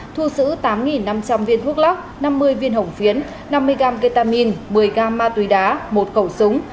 thu xử tám năm trăm linh viên thuốc lóc năm mươi viên hổng phiến năm mươi gam ketamin một mươi gam ma túy đá một cầu súng